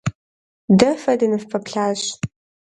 Дэ фэ дыныфпэплъащ.